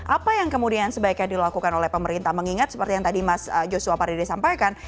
apa yang kemudian sebaiknya dilakukan oleh pemerintah mengingat seperti yang tadi mas joshua pardede sampaikan